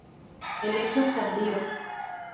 Helechos tardíos.